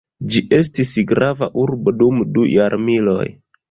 Ĝi estis grava urbo dum du jarmiloj.